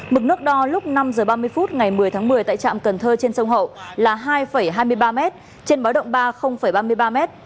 mực nước đo lúc năm h ba mươi phút ngày một mươi tháng một mươi tại trạm cần thơ trên sông hậu là hai hai mươi ba m trên báo động ba ba mươi ba m